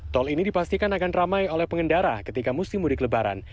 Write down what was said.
tol ini dipastikan akan ramai oleh pengendara ketika musim mudik lebaran